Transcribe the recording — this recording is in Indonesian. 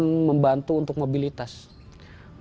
tapi itu juga membantu untuk memiliki kursi roda